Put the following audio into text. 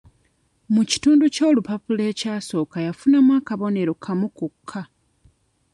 Mu kitundu ky'olupapula ekyasooka yafunamu akabonero kamu kokka.